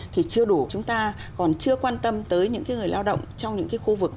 thì chưa đủ chúng ta còn chưa quan tâm tới những người lao động trong những khu vực